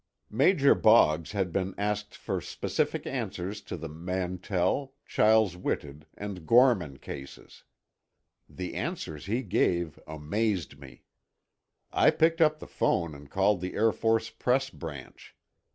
Major Boggs had been asked for specific answers to the Mantell, Chiles Whitted, and Gorman cases. The answers he gave amazed me. I picked up the phone and called the Air Force Press Branch.